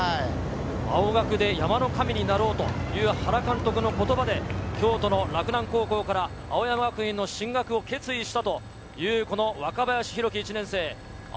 青学で山の神になろうという原監督の言葉で京都の洛南高校から青山学院への進学を決意したという若林宏樹、１年生。